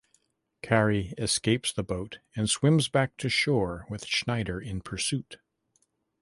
Cari escapes the boat and swims back to shore with Schneider in pursuit.